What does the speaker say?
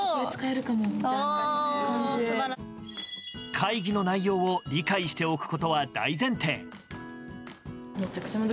会議の内容を理解しておくことは大前提。